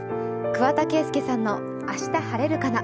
桑田佳祐さんの「明日晴れるかな」。